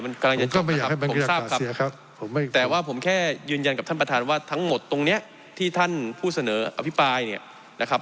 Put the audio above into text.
ผมก็ไม่อยากให้มันบรรยากาศเสียครับแต่ว่าผมแค่ยืนยันกับท่านประธานว่าทั้งหมดตรงเนี้ยที่ท่านผู้เสนออภิปรายเนี่ยนะครับ